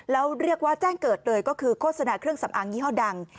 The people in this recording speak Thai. แล้วเรียกว่าแจ้งเกิดเลยก็คือโฆษณาเครื่องสำอางยี่ห้อดัง